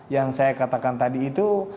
yang saya katakan tadi itu